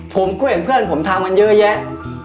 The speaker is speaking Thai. ผมคุยกับเพื่อนผมทำกันเยอะแยะ